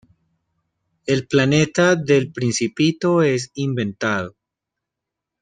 El planeta del Principito es inventado.